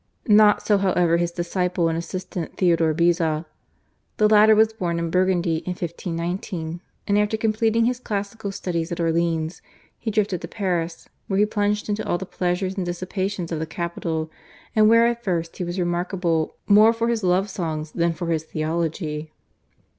Not so however his disciple and assistant Theodore Beza. The latter was born in Burgundy in 1519, and after completing his classical studies at Orleans he drifted to Paris, where he plunged into all the pleasures and dissipations of the capital, and where at first he was remarkable more for his love songs than for his theology.